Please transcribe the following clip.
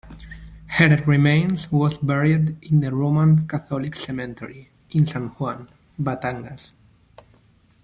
Her remains was buried in the Roman Catholic Cemetery in San Juan, Batangas.